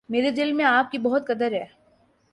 میرے دل میں آپ کی بہت قدر ہے۔